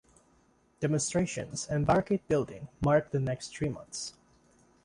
Demonstrations and barricade-building marked the next three months.